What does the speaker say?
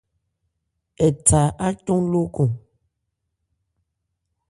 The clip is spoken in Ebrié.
Ɛ tha ácɔn lókɔn.